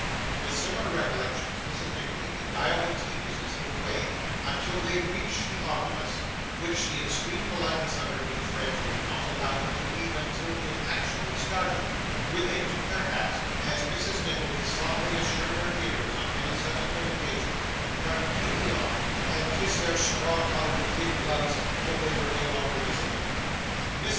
With similar recollections Mrs. Nickleby beguiled the tediousness of the way, until they reached the omnibus, which the extreme politeness of her new friends would not allow them to leave until it actually started, when they took their hats, as Mrs. Nickleby solemnly assured her hearers on many subsequent occasions, 'completely off,' and kissed their straw coloured kid gloves till they were no longer visible. Mrs.